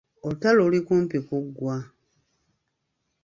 Oluutalo luli kumpi kuggwa.